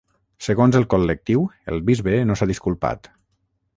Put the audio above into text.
Segons el col·lectiu, el bisbe no s’ha disculpat.